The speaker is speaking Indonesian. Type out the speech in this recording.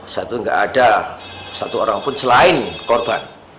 saat itu gak ada satu orang pun selain korban